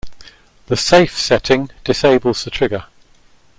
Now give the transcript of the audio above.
The "safe" setting disables the trigger.